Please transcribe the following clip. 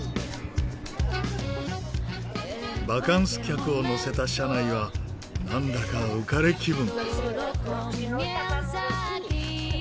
バカンス客を乗せた車内はなんだか浮かれ気分。